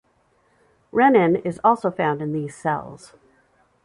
Renin is also found in these cells.